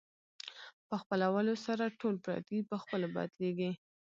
په خپلولو سره ټول پردي په خپلو بدلېږي.